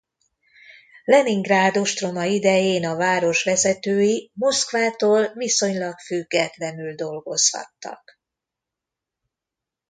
Leningrád ostroma idején a város vezetői Moszkvától viszonylag függetlenül dolgozhattak.